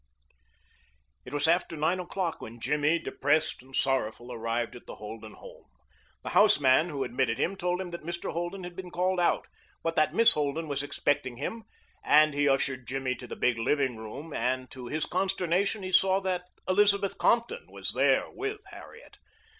It was after nine o'clock when Jimmy, depressed and sorrowing, arrived at the Holden home. The houseman who admitted him told him that Mr. Holden had been called out, but that Miss Holden was expecting him, and he ushered Jimmy to the big living room, and to his consternation he saw that Elizabeth Compton was there with Harriet.